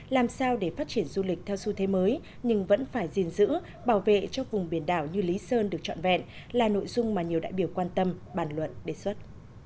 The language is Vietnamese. làm sao để phát triển du lịch theo xu thế mới nhưng vẫn phải gìn giữ bảo vệ cho vùng biển đảo như lý sơn được trọn vẹn là nội dung mà nhiều đại biểu quan tâm bàn luận đề xuất